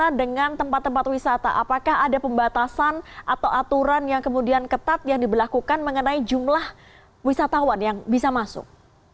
bagaimana dengan tempat tempat wisata apakah ada pembatasan atau aturan yang kemudian ketat yang diberlakukan mengenai jumlah wisatawan yang bisa masuk